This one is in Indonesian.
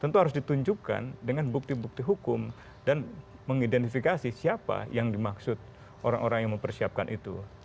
tentu harus ditunjukkan dengan bukti bukti hukum dan mengidentifikasi siapa yang dimaksud orang orang yang mempersiapkan itu